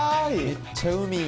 めっちゃ海。